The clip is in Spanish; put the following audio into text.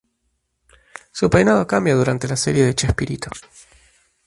Su peinado cambia durante la serie de Chespirito.